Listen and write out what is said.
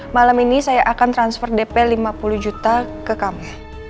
malam ini saya akan transfer dp lima puluh juta ke kami